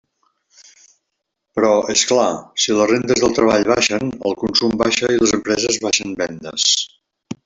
Però, és clar, si les rendes del treball baixen, el consum baixa i les empreses baixen vendes.